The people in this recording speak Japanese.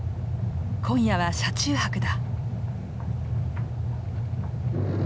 今夜は車中泊だ。